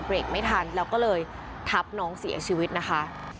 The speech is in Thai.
ไม่ทันแล้วก็เลยทับน้องเสียชีวิตนะคะ